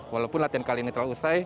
walaupun latihan kali ini telah usai